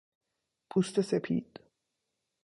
پوست سپید